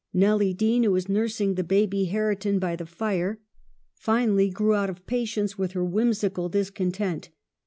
Nelly Dean, who was nursing the baby Hareton by the fire, finally grew out of patience with her whimsical discontent.